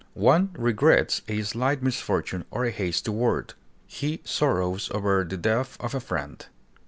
One regrets a slight misfortune or a hasty word; he sorrows over the death of a friend.